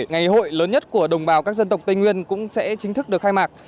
ngày hội lớn nhất của đồng bào các dân tộc tây nguyên cũng sẽ chính thức được khai mạc